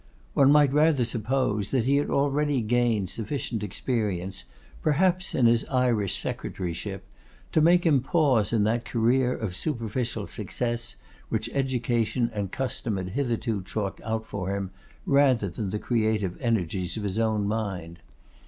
One might rather suppose, that he had already gained sufficient experience, perhaps in his Irish Secretaryship, to make him pause in that career of superficial success which education and custom had hitherto chalked out for him, rather than the creative energies of his own mind.